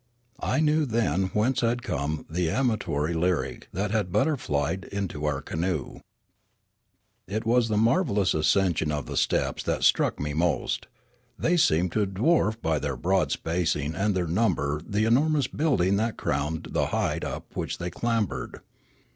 I knew then whence had come the amatory lyric that had butterflied into our canoe. It was the marvellous ascension of the steps that struck me most. They seemed to dwarf by their broad spacing and their number the enormous building that crowned the height up which they clambered.